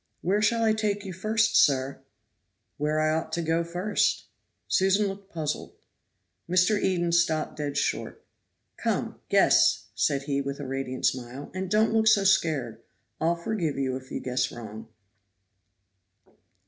"Where shall I take you first, sir?" "Where I ought to go first." Susan looked puzzled. Mr. Eden stopped dead short. "Come, guess," said he, with a radiant smile, "and don't look so scared. I'll forgive you if you guess wrong."